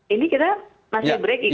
ini kita masih break juga ya